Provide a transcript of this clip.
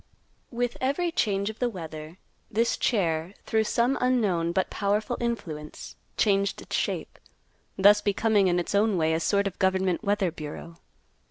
With every change of the weather, this chair, through some unknown but powerful influence, changed its shape, thus becoming in its own way a sort of government weather bureau.